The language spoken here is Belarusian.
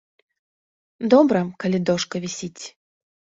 Добра, калі дошка вісіць.